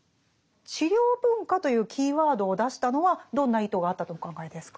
「治療文化」というキーワードを出したのはどんな意図があったとお考えですか？